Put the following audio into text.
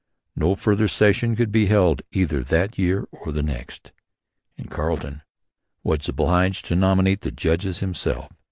No further session could be held either that year or the next; and Carleton was obliged to nominate the judges himself.